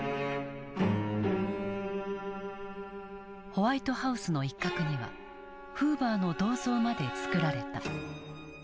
ホワイトハウスの一角にはフーバーの銅像まで作られた。